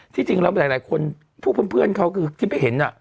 จริงแล้วหลายคนพวกเพื่อนเขาคือที่ไปเห็น